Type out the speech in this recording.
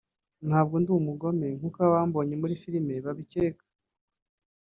ntabwo ndi umugome nk’uko abambonye muri film babikeka